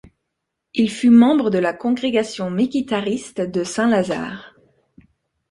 Il fut membre de la congrégation mékhitariste de Saint-Lazare.